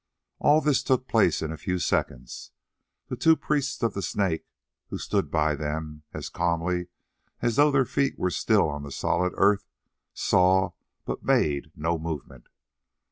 All this took place in a few seconds. The two priests of the Snake, who stood by them as calmly as though their feet were still on the solid earth, saw, but made no movement.